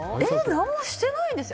何もしてないです。